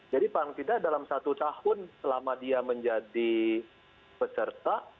jadi paling tidak dalam satu tahun selama dia menjadi peserta